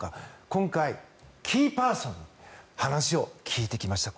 今回、キーパーソンに話を聞いてきました。